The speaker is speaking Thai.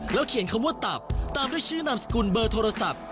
เขียนคำว่าตับตามด้วยชื่อนามสกุลเบอร์โทรศัพท์